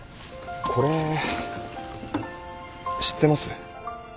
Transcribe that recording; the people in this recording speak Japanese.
これ知ってます？